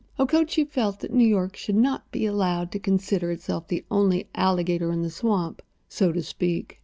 Okochee felt that New York should not be allowed to consider itself the only alligator in the swamp, so to speak.